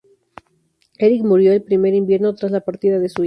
Erik murió el primer invierno, tras la partida de su hijo.